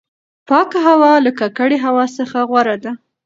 پاکه هوا له ککړې هوا څخه غوره ده.